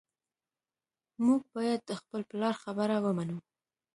موږ باید د خپل پلار خبره ومنو